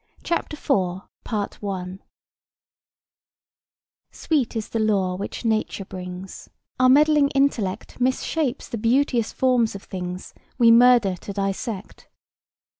CHAPTER IV "Sweet is the lore which Nature brings; Our meddling intellect Mis shapes the beauteous forms of things We murder to dissect.